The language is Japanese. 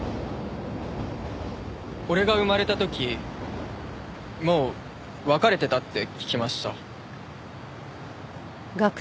俺が生まれた時もう別れてたって聞きました。